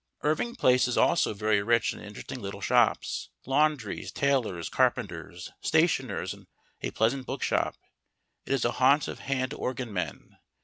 Irving Place is also very rich in interesting little shops laundries, tailors, carpenters, stationers, and a pleasant bookshop. It is a haunt of hand organ men.